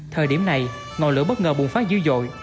thời điểm này ngọn lửa bất ngờ bùng phát dữ dội